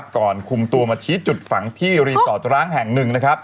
ก่อนคุมตัวมาชี้จุดฝังที่รีสอร์ทร้างแห่งหนึ่งนะครับ